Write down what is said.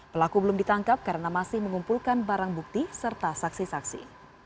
pelaku belum ditangkap karena masih mengumpulkan barang bukti serta saksi saksi